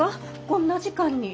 こんな時間に。